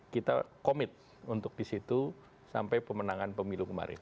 kita komit untuk di situ sampai pemenangan pemilu kemarin